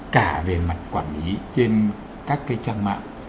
cả về mặt quản lý trên các cái trang mạng